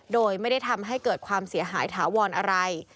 โดยไม่ได้ทำให้เกิดความเสียหายถาวรอะไร